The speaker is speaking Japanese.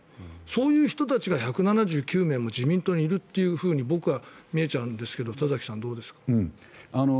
そういう人たちが１７９名も自民党にいるって僕は見えちゃうんですけど田崎さん、どうですか。